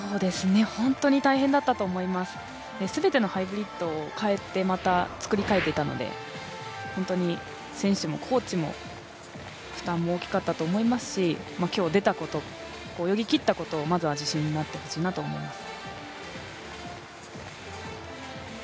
本当に大変だったと思います、全てのハイブリッドを変えてまた作り替えていたので本当に選手もコーチも負担も大きかったと思いますので今日できたこと、泳ぎ切ったことをまずは自信になってほしいなと思います。